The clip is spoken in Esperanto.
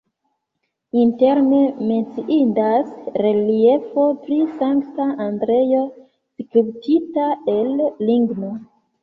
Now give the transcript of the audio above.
Interne menciindas reliefo pri Sankta Andreo skulptita el ligno.